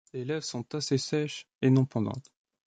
Les lèvres sont assez sèches et non pendantes.